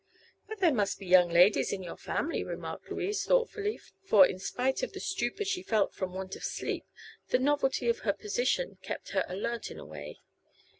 "But there must be young ladies in your family," remarked Louise, thoughtfully, for in spite of the stupor she felt from want of sleep the novelty of her position kept her alert in a way.